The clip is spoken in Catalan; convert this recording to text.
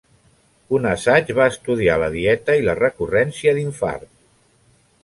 Un assaig va estudiar la dieta i la recurrència d'infart.